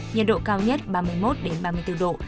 nhiệt độ cao nhất ba mươi một ba mươi bốn độ